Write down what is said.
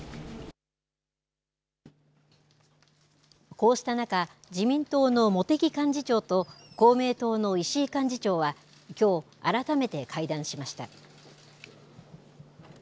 こうした中、自民党の茂木幹事長と、公明党の石井幹事長は、きょう改めて会談しました。